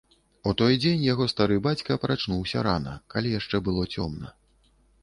У той дзень яго стары бацька прачнуўся рана, калі яшчэ было цёмна.